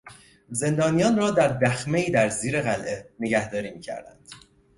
زندانیان را در دخمهای در زیر قلعه نگهداری میکردند.